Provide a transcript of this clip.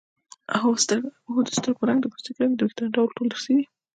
هو د سترګو رنګ د پوستکي رنګ او د وېښتانو ډول ټول ارثي دي